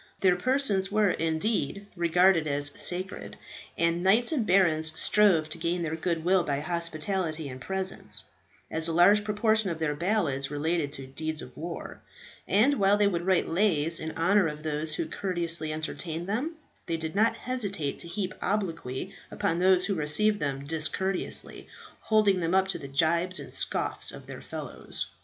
Their persons were, indeed, regarded as sacred, and the knights and barons strove to gain their good will by hospitality and presents, as a large proportion of their ballads related to deeds of war; and while they would write lays in honour of those who courteously entertained them, they did not hesitate to heap obloquy upon those who received them discourteously, holding them up to the gibes and scoffs of their fellows.